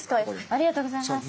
ありがとうございます。